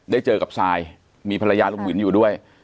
ได้เจอกับซายมีภรรยาลุงวินอยู่ด้วย